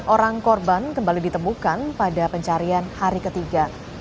orang korban kembali ditemukan pada pencarian hari ketiga